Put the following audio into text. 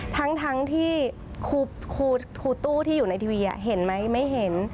ทั้งที่ครูตู้ที่อยู่ในทีวีเห็นไหมไม่เห็น